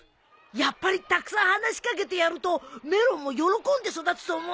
やっぱりたくさん話し掛けてやるとメロンも喜んで育つと思うんだ。